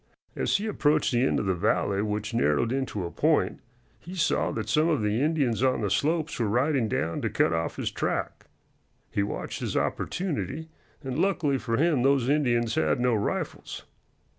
As he approached the end of the valley, which narrowed into a point, he saw that some of the Indians on the slopes were riding down to cut off his track. He watched his opportunity, and luckily for him those Indians had no rifles.